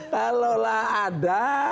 kalau lah ada